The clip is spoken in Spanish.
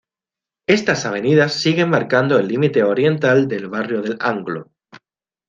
Estas avenidas siguen marcando el límite oriental del barrio del Anglo.